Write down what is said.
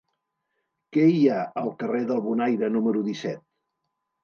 Què hi ha al carrer del Bonaire número disset?